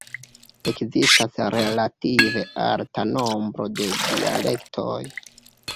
Ekzistas relative alta nombro de dialektoj.